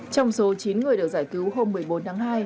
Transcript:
trong số chín người được giải cứu hôm một mươi bốn tháng hai